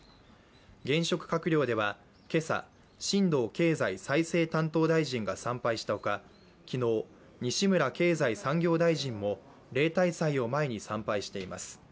現職閣僚では今朝、新藤経済再生担当大臣が参拝したほか、昨日、西村経済産業大臣も例大祭を前に参拝しています。